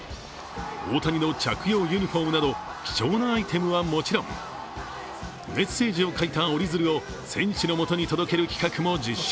大谷の着用ユニフォームなど貴重なアイテムはもちろんメッセージを書いた折り鶴を選手のもとに届ける企画も実施。